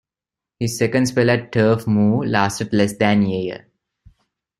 His second spell at Turf Moor lasted less than a year.